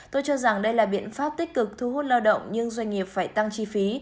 tôi cho rằng đây là biện pháp tích cực thu hút lao động nhưng doanh nghiệp phải tăng chi phí